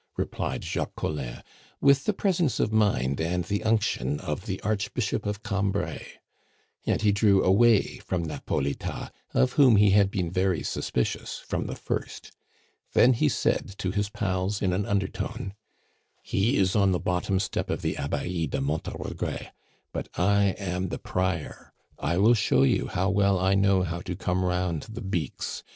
replied Jacques Collin, with the presence of mind and the unction of the Archbishop of Cambrai. And he drew away from Napolitas, of whom he had been very suspicious from the first. Then he said to his pals in an undertone: "He is on the bottom step of the Abbaye de Monte a Regret, but I am the Prior! I will show you how well I know how to come round the beaks.